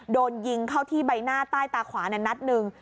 โดนยิงเข้าที่ใบหน้าใต้ตาขวานัดหนึ่ง